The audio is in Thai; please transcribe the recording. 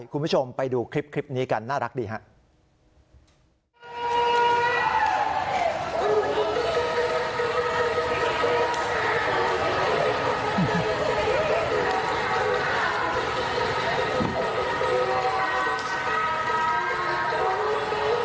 คุณผู้ชมไปดูคลิปนี้กันน่ารักดีครับ